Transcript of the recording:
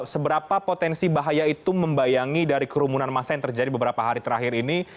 seberapa potensi bahaya itu membayangi dari kerumunan massa yang terjadi beberapa hari terakhir ini